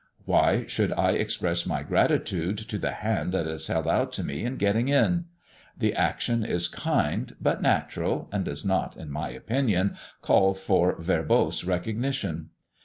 Why should I express my gratitude to the hand that is held out to me in getting in? The action is kind, but natural, and does not, in my opinion, call for a verbose recognition.